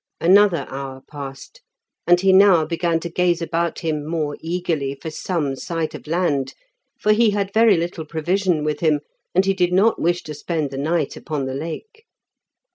Another hour passed, and he now began to gaze about him more eagerly for some sight of land, for he had very little provision with him, and he did not wish to spend the night upon the Lake.